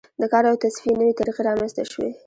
د کار او تصفیې نوې طریقې رامنځته شوې.